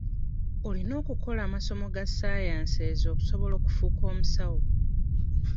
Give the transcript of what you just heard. Olina kukola masomo ga saayanseezi okusobola okufuuka omusawo.